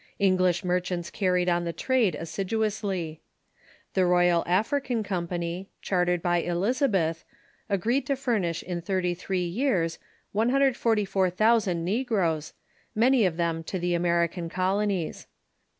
English merchants carried on the trade assid uously. The Royal African Company, chartered by Elizabeth, agreed to furnish in thirty three years 144,000 negroes, many of them to the American colonies.